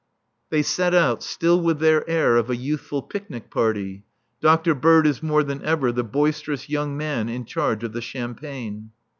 They set out, still with their air of a youthful picnic party. Dr. Bird is more than ever the boisterous young man in charge of the champagne.